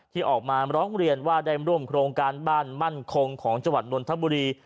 ที่ออกมาร้องเรียนว่าได้ร่วมโครงการบ้านมั่นคงของจังหวัดนนทบุรี